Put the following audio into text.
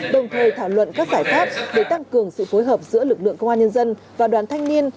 đồng thời thảo luận các giải pháp để tăng cường sự phối hợp giữa lực lượng công an nhân dân và đoàn thanh niên